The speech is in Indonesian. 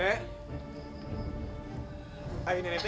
ibu berani cari istri tulangnya